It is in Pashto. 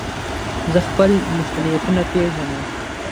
زه خپل مسئولیتونه پېژنم.